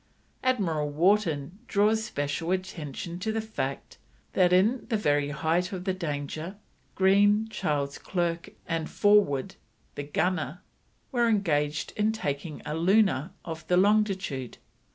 Admiral Wharton draws special attention to the fact that in the very height of the danger, Green, Charles Clerke, and Forwood, the gunner, were engaged in taking a Lunar for the longitude.